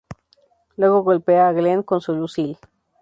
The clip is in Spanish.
Luego golpea a Glenn con su Lucille.